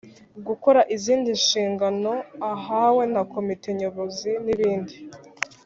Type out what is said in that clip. Gukora izindi nshingano ahawe na Komite Nyobozi nibindi.